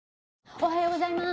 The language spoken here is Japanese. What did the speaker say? おはようございます。